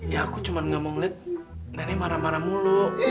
ya aku cuma gak mau ngeliat nenek marah marah mulu